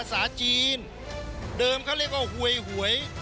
สุดท้าย